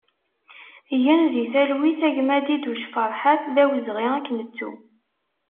Gen di talwit a gma Diduc Ferḥat, d awezɣi ad k-nettu!